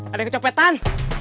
ada yang kecopetan